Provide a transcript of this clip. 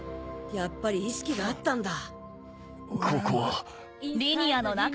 やっぱり意識があったんだ。